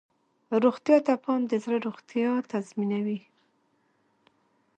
روغتیا ته پام د زړه روغتیا تضمینوي.